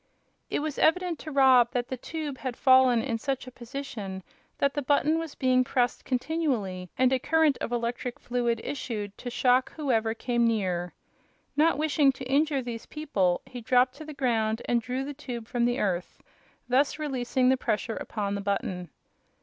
It was evident to Rob that the tube had fallen in such a position that the button was being pressed continually and a current of electric fluid issued to shock whoever came near. Not wishing to injure these people he dropped to the ground and drew the tube from the earth, thus releasing the pressure upon the button.